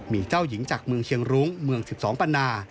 มีเจ้าหญิงจากเมืองเชียงรุ้งเมือง๑๒ปันนา